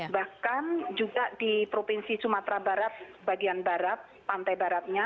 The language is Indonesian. bahkan juga di provinsi sumatera barat bagian barat pantai baratnya